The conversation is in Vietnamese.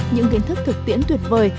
những kiến thức thực tiễn tuyệt vời